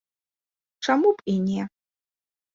Чаму б і не.